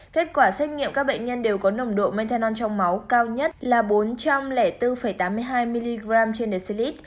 kết quả xét nghiệm các bệnh nhân đều có nồng độ methanol trong máu cao nhất là bốn trăm linh bốn tám mươi hai mg trên decilit